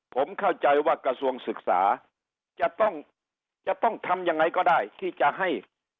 ผมเข้าใจว่ากระทรวงศึกษาจะต้องจะต้องทำยังไงก็ได้ที่จะให้